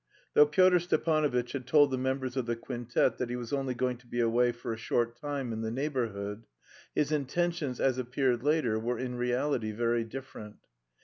Though Pyotr Stepanovitch had told the members of the quintet that he was only going to be away for a short time in the neighbourhood, his intentions, as appeared later, were in reality very different.